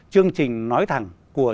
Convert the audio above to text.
chương trình nói thẳng của